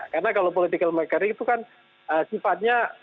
karena kalau political mockery itu kan sifatnya